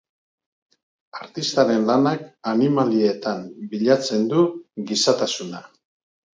Artistaren lanak aniamlietan bilatzen du gizatasuna.